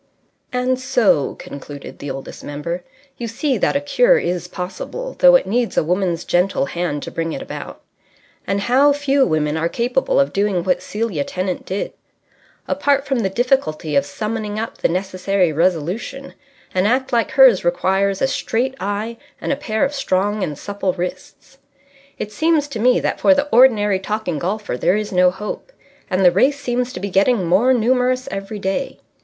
And so (concluded the Oldest Member) you see that a cure is possible, though it needs a woman's gentle hand to bring it about. And how few women are capable of doing what Celia Tennant did. Apart from the difficulty of summoning up the necessary resolution, an act like hers requires a straight eye and a pair of strong and supple wrists. It seems to me that for the ordinary talking golfer there is no hope. And the race seems to be getting more numerous every day.